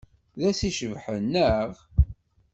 D ass icebḥen, naɣ?